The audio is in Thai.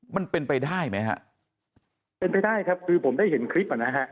มันเป็นไปได้ไหมฮะเป็นไปได้ครับคือผมได้เห็นคลิปอ่ะนะฮะ